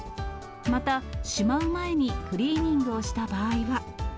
また、しまう前にクリーニングをした場合は。